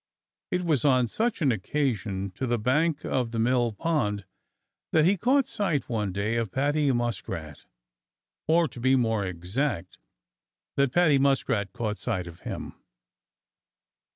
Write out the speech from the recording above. It was on such an excursion to the bank of the mill pond that he caught sight, one day, of Paddy Muskrat or to be more exact, that Paddy Muskrat caught sight of him.